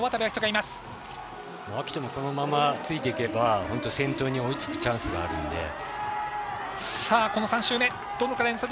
暁斗もこのままついていけば先頭に追いつくチャンスがあるので。